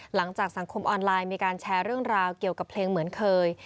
หลังจากสังคมออนไลน์มีการแชร์เรื่องราวเกี่ยวกับเพลงเหมือนเคย